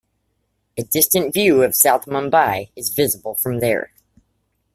A distant view of South Mumbai is visible from there.